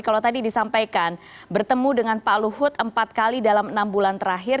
kalau tadi disampaikan bertemu dengan pak luhut empat kali dalam enam bulan terakhir